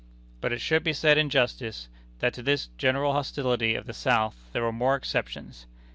But it should be said in justice, that to this general hostility of the South there were some exceptions.